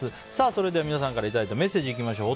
それでは皆さんからいただいたメッセージいきましょう。